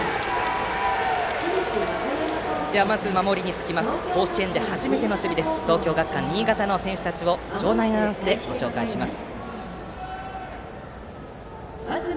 では、守りにつきます甲子園で初めての守備となる東京学館新潟の選手たちをご紹介します。